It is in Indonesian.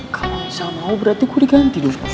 kalo misal mau berarti gue diganti deh